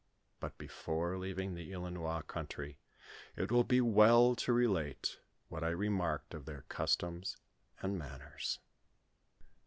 But before leaving the Ilinois country, it will be well to relate what I remarked of their customs and manners.